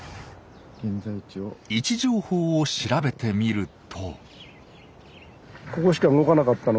位置情報を調べてみると。